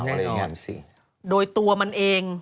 แน่นอนสิโดยตัวมันเอง